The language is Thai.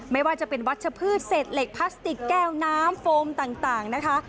ไม่ว่าจะเป็นวัชพืชเศษเหล็กพลาสติกแก้วน้ำโฟมต่างนะคะ